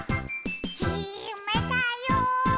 「きめたよ」